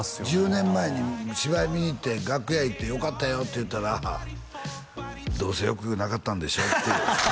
１０年前に芝居見に行って楽屋行って「よかったよ」って言ったら「どうせよくなかったんでしょ？」って